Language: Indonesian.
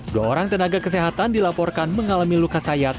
dua orang tenaga kesehatan dilaporkan mengalami luka sayat